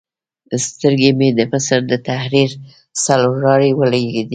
سترګې مې د مصر د تحریر څلور لارې ولګېدې.